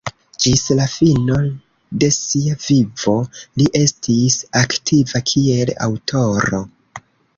Ĝis la fino de sia vivo, li estis aktiva kiel aŭtoro.